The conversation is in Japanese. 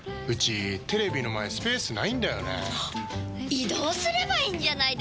移動すればいいんじゃないですか？